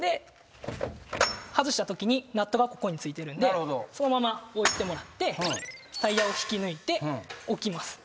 外したときにナットがここに付いてるんでそのまま置いてもらってタイヤを引き抜いて置きます。